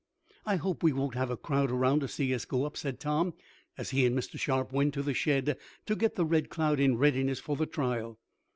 "I hope we won't have a crowd around to see us go up," said Tom, as he and Mr. Sharp went to the shed to get the Red Cloud in readiness for the trial.